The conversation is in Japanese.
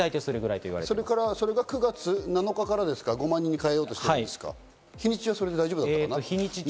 それが９月７日からですか、５万人に変えようとしてる、日にちはそれで大丈夫かな？